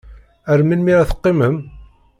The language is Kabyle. Ar melmi ara teqqimem?